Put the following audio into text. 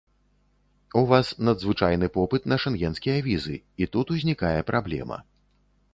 У вас надзвычайны попыт на шэнгенскія візы, і тут узнікае праблема.